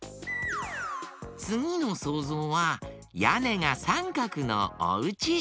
つぎのそうぞうはやねがサンカクのおうち。